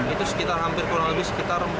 itu hampir kurang lebih sekitar empat km